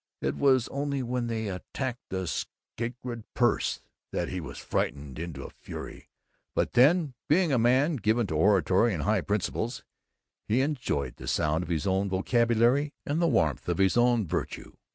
It was only when they attacked the sacred purse that he was frightened into fury, but then, being a man given to oratory and high principles, he enjoyed the sound of his own vocabulary and the warmth of his own virtue.